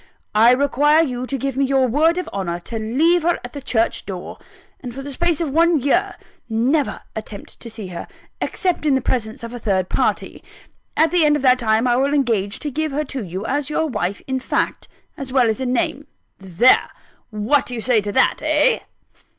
I require you to give me your word of honour to leave her at the church door; and for the space of one year never to attempt to see her, except in the presence of a third party. At the end of that time, I will engage to give her to you, as your wife in fact, as well as in name. There! what do you say to that eh?"